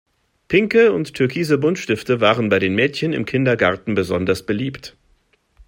Pinke und türkise Buntstifte waren bei den Mädchen im Kindergarten besonders beliebt.